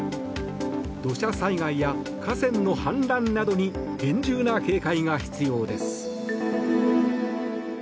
土砂災害や河川の氾濫などに厳重な警戒が必要です。